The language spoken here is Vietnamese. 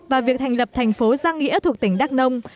và việc thành lập thành phố giang nghĩa thuộc tỉnh đắk nông